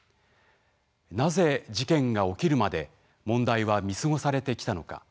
なぜ事件が起きるまで問題は見過ごされてきたのか。